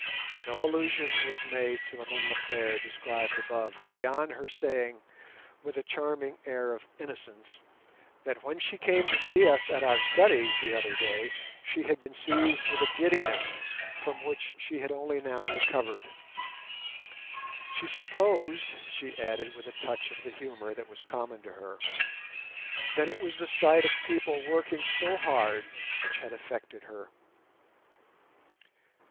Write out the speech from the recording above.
No allusion was made to the little affair described above beyond her saying, with a charming air of innocence, that when she came to see us at our studies the other day she had been seized with a giddiness from which she had only now recovered. She supposed, she added with a touch of the humour that was common to her, that it was the sight of people working so hard which had affected her.